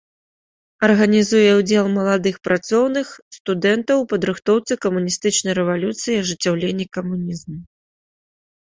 Арганізуе ўдзел маладых працоўных, студэнтаў у падрыхтоўцы камуністычнай рэвалюцыі і ажыццяўленні камунізму.